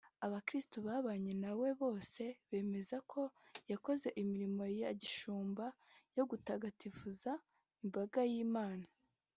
Abakirisitu babanye na we bose bemeza ko yakoze imirimo ye ya gishumba yo gutagatifuza imbaga y’Imana